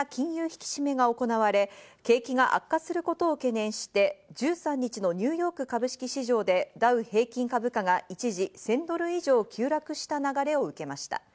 引き締めが行われ、景気が悪化することを懸念して、１３日のニューヨーク株式市場でダウ平均株価が一時１０００ドル以上急落した流れを受けました。